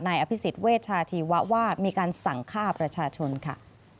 อภิษฎเวชาชีวะว่ามีการสั่งฆ่าประชาชนค่ะ